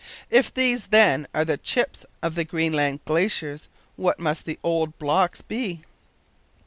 If these, then, are the "chips" of the Greenland glaciers, what must the "old blocks" be?